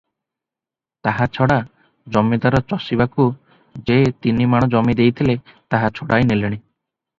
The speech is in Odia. ତାହା ଛଡ଼ା ଜମିଦାର ଚଷିବାକୁ ଯେ ତିନିମାଣ ଜମି ଦେଇଥିଲେ, ତାହା ଛଡ଼ାଇ ନେଲେଣି ।